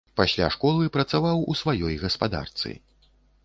Пасля школы працаваў у сваёй гаспадарцы.